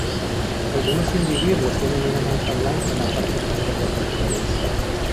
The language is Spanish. Algunos individuos tienen una mancha blanca en la parte posterior del cuello.